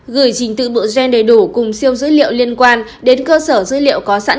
gửi trình tự bộ gen đầy đủ cùng siêu dữ liệu liên quan